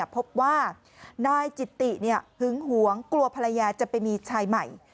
พบว่านายจิตติหึงหวงกลัวภรรยาจะไปมีชายใหม่